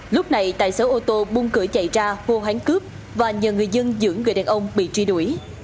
lúc này tài xế ô tô bung cửa chạy ra hô hoán cướp và nhờ người dân giữ người đàn ông bị truy đuổi